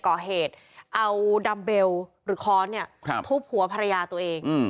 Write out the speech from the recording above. ก่อเหตุเอาดัมเบลหรือค้อนเนี่ยทุบหัวภรรยาตัวเอง